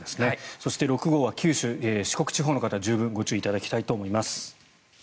そして、６号は九州・四国地方の方十分ご注意いただきたいと思います。